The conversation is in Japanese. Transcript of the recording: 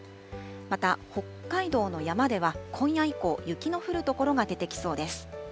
また、北海道の山では今夜以降、雪の降る所が出てきそうです。